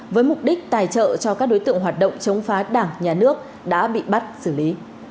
với mục đích tài trợ cho các đối tượng hoạt động chống phá đảng nhà nước đã bị bắt xử lý